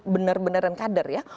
benar benaran kader ya